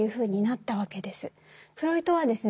フロイトはですね